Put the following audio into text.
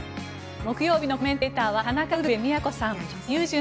木曜日のコメンテーターは田中ウルヴェ京さん。